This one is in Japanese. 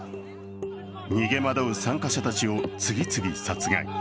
逃げ惑う参加者たちを次々殺害。